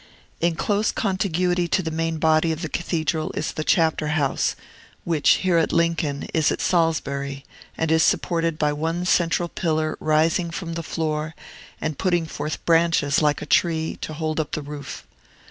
In close contiguity to the main body of the Cathedral is the Chapter House, which, here at Lincoln, as at Salisbury, is supported by one central pillar rising from the floor, and putting forth branches like a tree, to hold up the roof.